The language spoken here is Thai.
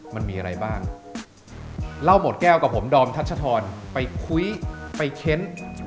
มันมีอะไรบ้างเล่าหมดแก้วกับผมดอมทัชธรไปคุยไปเค้น